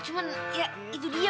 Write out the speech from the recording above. cuman ya itu dia